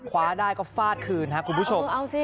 คว้าได้ก็ฟาดคืนครับคุณผู้ชม